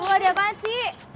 loh ada apaan sih